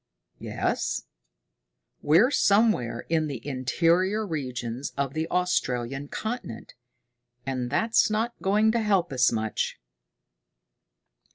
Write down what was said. "Yes?" "We're somewhere in the interior regions of the Australian continent and that's not going to help us much."